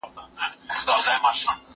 په قصاب چي دي وس نه رسېږي وروره